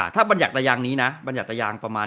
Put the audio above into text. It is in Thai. อ่าถ้ามันอยากตะยางนี้นะประมาณนี้นะ